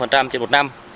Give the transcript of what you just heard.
trên một năm